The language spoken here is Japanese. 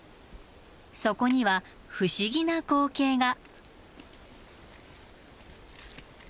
そこには不思議な光景が。